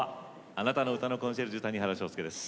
あなたの歌のコンシェルジュ谷原章介です。